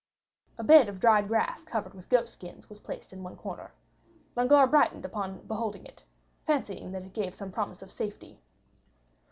A bed of dried grass covered with goat skins was placed in one corner. Danglars brightened up on beholding it, fancying that it gave some promise of safety.